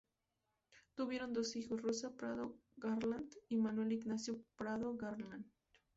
Tuvieron dos hijos: Rosa Prado Garland y Manuel Ignacio Prado Garland.